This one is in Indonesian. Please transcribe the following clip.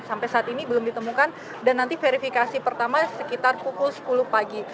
sampai saat ini belum ditemukan dan nanti verifikasi pertama sekitar pukul sepuluh pagi